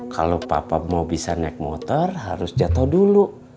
kalau papa mau bisa naik motor harus jatuh dulu